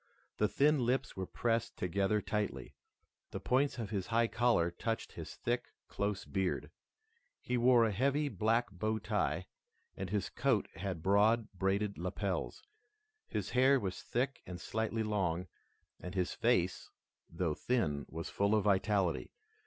The thin lips were pressed together tightly. The points of his high collar touched his thick, close beard. He wore a heavy black bow tie and his coat had broad braided lapels. His hair was thick and slightly long, and his face, though thin, was full of vitality.